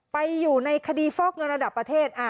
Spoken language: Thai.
อยู่ในคดีฟอกเงินระดับประเทศ